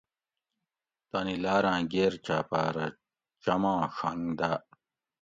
تانی لاراۤں گیر چاپھرہ چماں ڛنگ داۤ